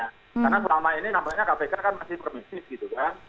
karena selama ini nampaknya kpk kan masih permisif gitu kan